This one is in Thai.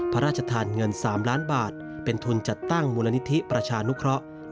พระราชทานเงิน๓ล้านบาทเป็นทุนจัดตั้งมูลนิธิประชานุเคราะห์